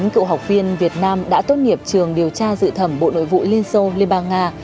năm mươi chín cựu học viên việt nam đã tốt nghiệp trường điều tra dự thẩm bộ nội vụ liên xô liên bang nga